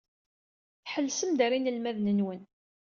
Tḥellsem-d ɣer yinelmaden-nwen.